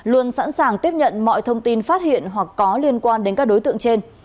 luôn sẵn sàng tiếp nhận mọi thông tin phát hiện hoặc có liên quan đến các đối tượng trên